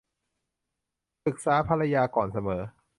ปรึกษาภรรยาก่อนเสมอ